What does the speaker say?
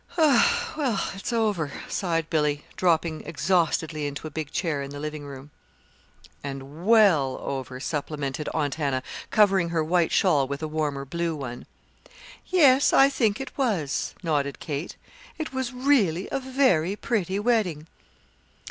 "Well, it's over," sighed Billy, dropping exhaustedly into a big chair in the living room. "And well over," supplemented Aunt Hannah, covering her white shawl with a warmer blue one. "Yes, I think it was," nodded Kate. "It was really a very pretty wedding."